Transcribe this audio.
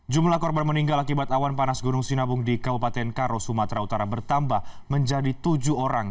jumlah korban meninggal akibat awan panas gunung sinabung di kabupaten karo sumatera utara bertambah menjadi tujuh orang